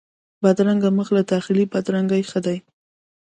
بدرنګه مخ له داخلي بدرنګي ښيي